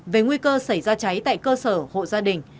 về nguy cơ xảy ra cháy tại cơ sở hộ gia đình